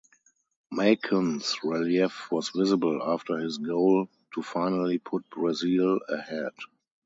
Maicon's relief was visible after his goal to finally put Brazil ahead.